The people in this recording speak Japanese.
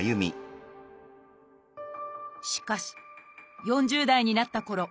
しかし４０代になったころ